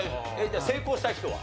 じゃあ成功した人は？